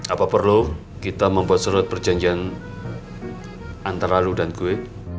apa perlu kita membuat surat perjanjian antara lu dan gue